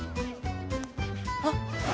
あっ